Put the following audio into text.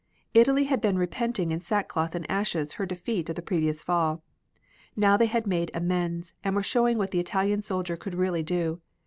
Italy had been repenting in sackcloth and ashes her defeat of the previous fall. Now they had made amends and were showing what the Italian soldier could really do.